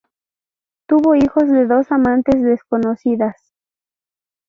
Tuvo hijos de dos amantes desconocidas.